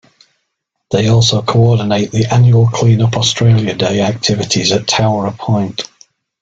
They also coordinate the annual Clean Up Australia Day activities at Towra Point.